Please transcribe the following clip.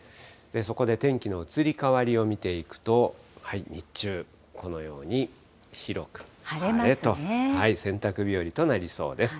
そこで天気の移り変わりを見ていくと、日中、このように広く晴れと、洗濯日和となりそうです。